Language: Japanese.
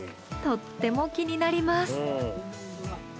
とっても気になります。